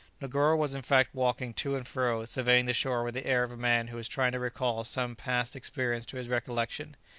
Negoro was in fact walking to and fro, surveying the shore with the air of a man who was trying to recall some past experience to his recollection.